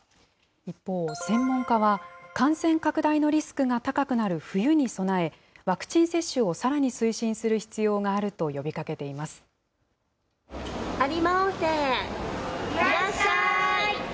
一方、専門家は感染拡大のリスクが高くなる冬に備え、ワクチン接種をさらに推進する必要があると呼びかけています。